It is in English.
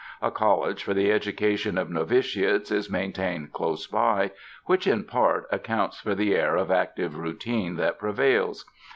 A college for the education of novitiates is maintained close by, which in part accounts for the air of active routine that prevails.